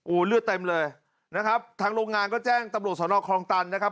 เลือดเต็มเลยนะครับทางโรงงานก็แจ้งตำรวจสนคลองตันนะครับ